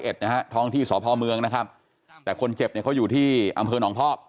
เอ็ดท้องที่สพเมืองนะครับแต่คนเจ็บอยู่ที่อำเภอหนองพ่อ